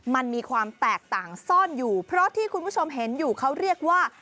มันมีความแตกต่างซ่อนอยู่เพราะที่คุณผู้ชมเห็นอยู่เขาเรียกว่า